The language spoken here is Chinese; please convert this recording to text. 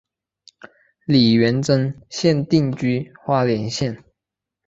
李元贞现定居花莲县。